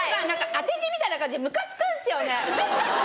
当て字みたいな感じでムカつくんすよね！